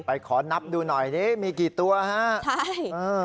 ขอนับดูหน่อยนี่มีกี่ตัวฮะใช่เออ